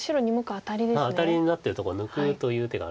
アタリになってるところ抜くという手があるんですけど。